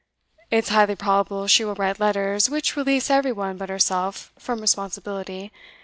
It's highly probable she will write letters which release every one but herself from responsibility.